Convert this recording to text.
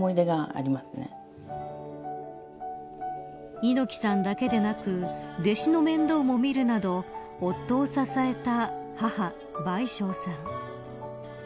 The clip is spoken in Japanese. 猪木さんだけでなく弟子の面倒もみるなど夫を支えた母、倍賞さん。